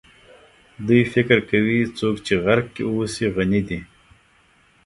دوی فکر کوي څوک چې غرب کې اوسي غني دي.